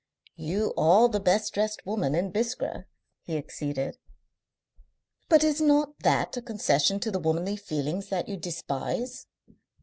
"You are the best dressed woman in Biskra," he acceded. "But is not that a concession to the womanly feelings that you despise?"